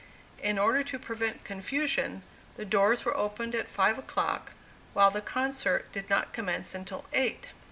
In order to prevent confusion, the doors were opened at five o'clock, while the concert did not commence until eight.